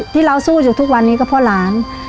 ที่เราสู้อยู่ทุกวันนี้ก็เพราะหลาน